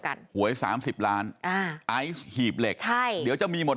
หวยสามสิบล้านอ่าไอซ์หีบเหล็กใช่เดี๋ยวจะมีหมด